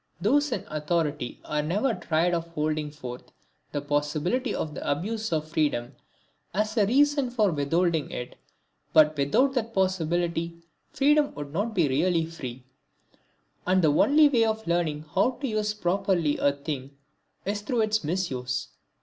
Those in authority are never tired of holding forth the possibility of the abuse of freedom as a reason for withholding it, but without that possibility freedom would not be really free. And the only way of learning how to use properly a thing is through its misuse.